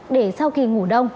để sau khi ngủ đông